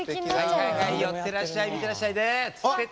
はいはい寄ってらっしゃい見てらっしゃいね。